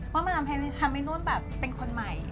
ว่ามันทำให้นุ่นแบบเป็นคนใหม่